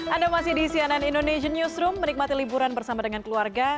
anda masih di cnn indonesian newsroom menikmati liburan bersama dengan keluarga